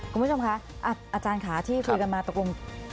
คุณผู้ชมคะอาจารย์ค่ะที่คุยกันมาตกลง